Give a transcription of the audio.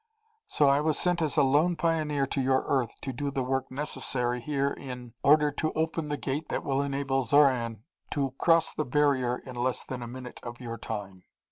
So I was sent as a lone pioneer to your Earth to do the work necessary here in order to open the Gate that will enable Xoran to cross the barrier in less than a minute of your time.